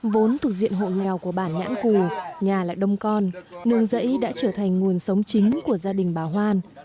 vốn thuộc diện hộ nghèo của bản nhãn cù nhà lại đông con nương giấy đã trở thành nguồn sống chính của gia đình bà hoan